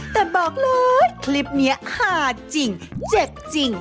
แต่บอกเลยคลิปนี้หาจริงเจ็บจริง